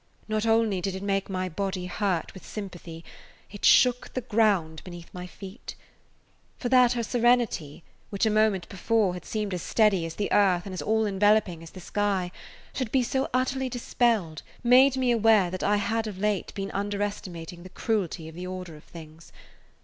Not only did it make my body hurt with sympathy; it shook the ground beneath my feet. For that her serenity, which a moment before had seemed as steady as the earth and as all enveloping as the sky, should be so utterly dispelled made me aware that I had of late been underestimating the cruelty of the order of things.